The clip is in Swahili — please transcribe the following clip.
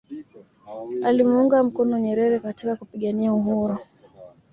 alimuunga mkono Nyerere katika kupigania uhuru